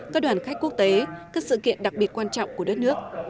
các đoàn khách quốc tế các sự kiện đặc biệt quan trọng của đất nước